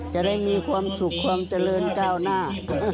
จะได้มีความสุขความเจริญก้าวหน้า